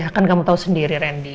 ya kan kamu tahu sendiri rendy